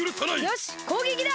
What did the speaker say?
よしこうげきだ！